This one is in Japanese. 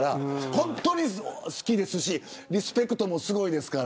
本当に好きですしリスペクトもすごいですから。